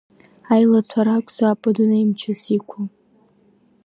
Аилаҭәара акәзаап адунеи мчыс иқәу!